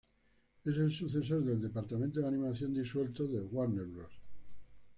Es el sucesor del departamento de animación disuelto de Warner Bros.